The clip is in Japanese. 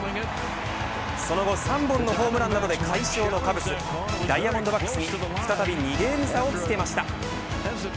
その後、３本のホームランなどで快勝のカブスダイヤモンドバックスに再び２ゲーム差をつけました。